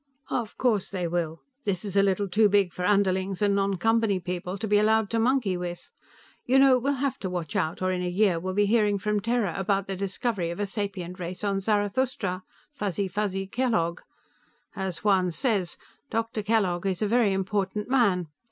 "Of course they will. This is a little too big for underlings and non Company people to be allowed to monkey with. You know, we'll have to watch out or in a year we'll be hearing from Terra about the discovery of a sapient race on Zarathustra; Fuzzy fuzzy Kellogg. As Juan says, Dr. Kellogg is a very important man.